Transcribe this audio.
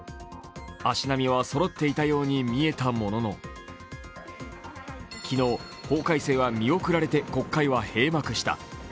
足並みはそろっていたように見えたものの、昨日、法改正は見送られて国会は閉幕した。